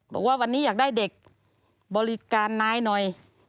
บอกว่าวันนี้อยากได้เด็กบริการนายหน่อย